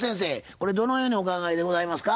これどのようにお考えでございますか？